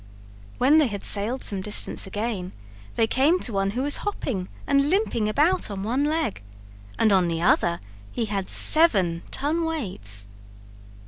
When they had sailed some distance again they came to one who was hopping and limping about on one leg, and on the other he had seven ton weights.